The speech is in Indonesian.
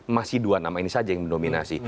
masih dua nama ini saja yang mendominasi